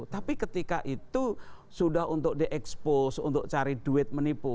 tapi ketika itu sudah untuk di expose untuk cari duit menipu